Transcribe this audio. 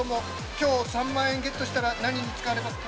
きょう３万円ゲットしたら何に使われますか。